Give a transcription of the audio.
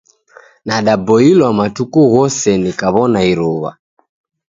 Nadaboilwa matuku ghose nikaw'ona iruw'a.